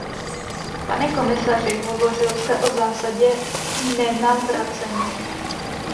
Pane komisaři, hovořil jste o zásadě nenavracení.